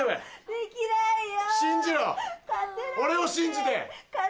できないよ。